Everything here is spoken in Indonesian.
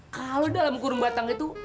kalau dalam kurung batang itu